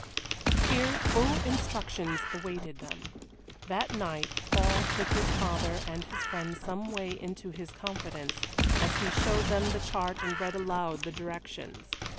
Here full instructions awaited them. That night Paul took his father and his friend some way into his confidence, as he showed them the chart and read aloud the directions.